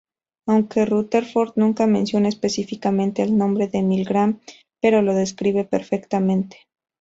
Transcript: Aunque Rutherford nunca menciona específicamente el nombre de Milgram, pero lo describe perfectamente.